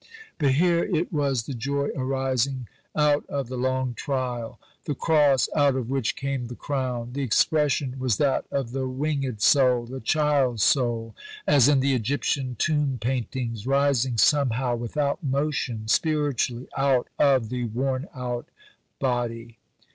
But here it was the joy arising out of the long trial, the Cross out of which came the Crown. The expression was that of the winged soul, the child soul as in the Egyptian tomb paintings, rising somehow without motion (spiritually) out of the worn out body.